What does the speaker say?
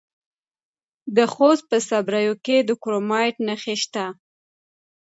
د خوست په صبریو کې د کرومایټ نښې شته.